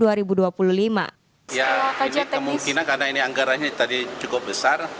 yaa kemungkinan karena anggarannya tadi cukup besar